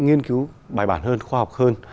nghiên cứu bài bản hơn khoa học hơn